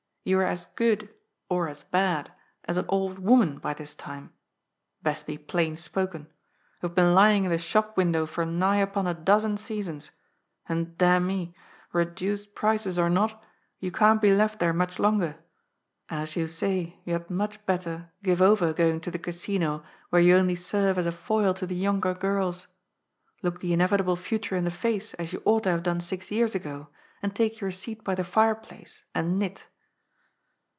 You're as good— or as bad — as an old woman by this time. Best be plain spoken. You've been lying in the shop window for nigh upon a dozen seasons, and — demmy — reduced, prices or not, you can't be left there much longer. As you say, you had much better give over going to the Casino, where you only serve as a foil to the younger girls. Look the in evitable future in the face, as you ought to have done six years ago, and take your seat by the fireplace and knit."